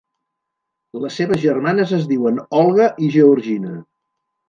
Les seves germanes es diuen Olga i Georgina.